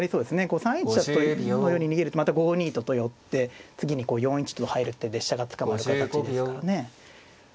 こう３一飛車のように逃げるとまた５二とと寄って次にこう４一とと入る手で飛車が捕まる形ですからね。